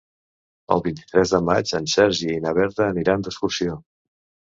El vint-i-tres de maig en Sergi i na Berta aniran d'excursió.